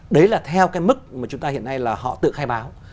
đấy là theo cái mức mà chúng ta hiện nay là họ tự khai báo